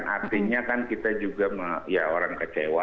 artinya kan kita juga ya orang kecewa